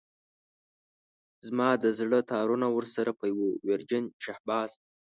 زما د زړه تارونه ورسره په يوه ويرجن شهباز.